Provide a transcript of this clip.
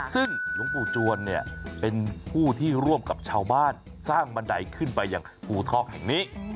ซึ่งหลวงปู่จวนเนี่ยเป็นผู้ที่ร่วมกับชาวบ้านสร้างบันไดขึ้นไปยังภูทอกแห่งนี้